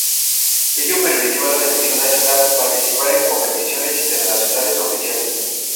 Ello permitió a la selección nacional participar en competiciones internacionales oficiales.